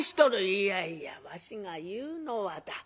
「いやいやわしが言うのはだ